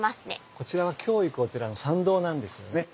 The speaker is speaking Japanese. こちらは今日行くお寺の参道なんですよね。